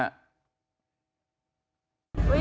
โอ้ยโอ้ยไปตบเขาทำไมวะน่ะ